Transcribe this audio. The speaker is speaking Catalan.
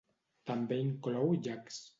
També inclou llacs.